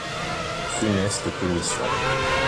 Funeste commission